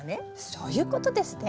そういうことですね。